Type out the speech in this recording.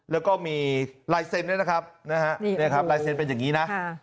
แล้วก็มีไลเซ็นด์นะครับไลเซ็นด์เป็นอย่างนี้นะ